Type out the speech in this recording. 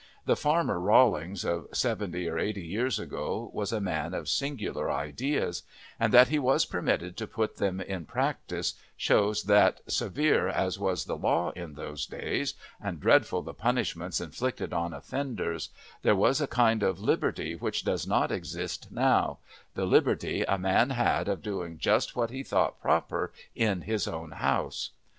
The Farmer Rawlings of seventy or eighty years ago was a man of singular ideas, and that he was permitted to put them in practice shows that severe as was the law in those days, and dreadful the punishments inflicted on offenders, there was a kind of liberty which does not exist now the liberty a man had of doing just what he thought proper in his own house.